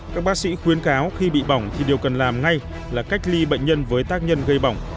các bác sĩ khuyến cáo khi bị bỏng thì điều cần làm ngay là cách ly bệnh nhân với tác nhân gây bỏng